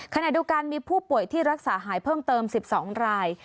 ขณะเดียวกันมีผู้ป่วยที่รักษาหายเพิ่มเติม๑๒ราย